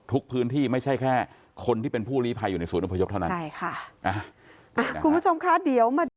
ทุกพื้นที่ไม่ใช่แค่คนที่เป็นผู้หลีภัยอยู่ในศูนย์อมพยพเท่านั้น